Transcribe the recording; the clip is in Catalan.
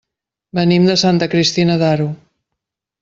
Venim de Santa Cristina d'Aro.